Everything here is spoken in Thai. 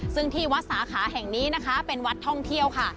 ซึ่งที่วัดสาขาแห่งนี้นะคะเป็นวัดท่องเที่ยวค่ะ